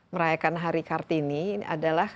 merayakan hari kartini adalah